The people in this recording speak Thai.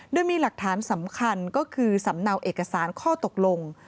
โดยมีหลักฐานสำคัญก็คือสำเนาเอกสารข้อตกลง